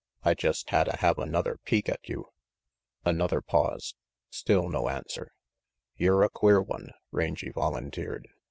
I jest hadda have another peek at you." RANGY PETE 75 Another pause. Still no answer. "Yer a queer one," Rangy volunteered.